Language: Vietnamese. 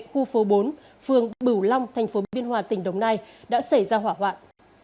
khu phố bốn phường bửu long thành phố biên hòa tỉnh đồng nai đã xảy ra hỏa hoạn